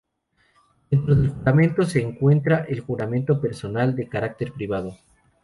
Dentro del juramento se encuentra el juramento personal de carácter privado.